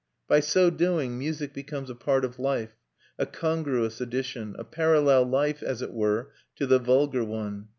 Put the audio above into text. By so doing music becomes a part of life, a congruous addition, a parallel life, as it were, to the vulgar one.